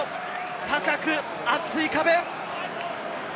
高く厚い壁！